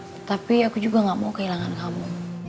tetapi aku juga gak mau kehilangan kamu